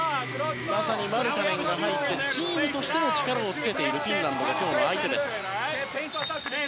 まさにマルカネンが入ってチームとしても力をつけているフィンランドが今日の相手です。